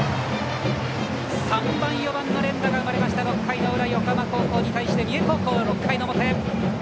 ３番、４番の連打が生まれました横浜高校に対して三重高校、６回の表。